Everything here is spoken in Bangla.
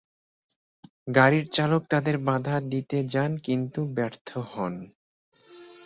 গাড়ির চালক তাদের বাধা দিতে যান, কিন্তু ব্যর্থ হন।